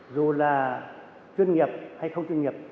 dù là chuyên nghiệp hay không chuyên nghiệp